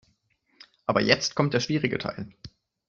Aber jetzt kommt der schwierige Teil.